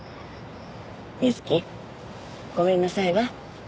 美月「ごめんなさい」は？